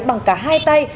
bằng cả hai tay